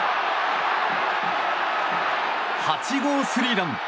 ８号スリーラン。